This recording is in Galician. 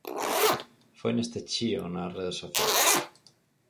Foi neste chío nas redes sociais.